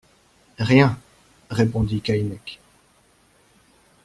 Rien ! répondit Keinec.